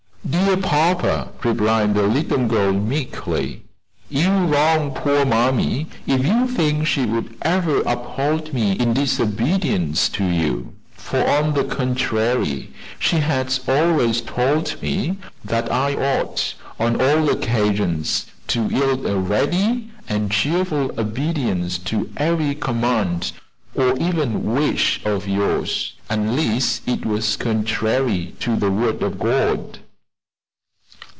"Dear papa," replied the little girl meekly, "you wrong poor mammy, if you think she would ever uphold me in disobedience to you; for on the contrary, she has always told me that I ought, on all occasions, to yield a ready and cheerful obedience to every command, or even wish of yours, unless it was contrary to the word of God."